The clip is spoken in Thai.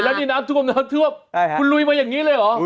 แล้วนี่น้ำท่วมน้ำท่วมคุณลุยมาอย่างนี้เลยเหรอ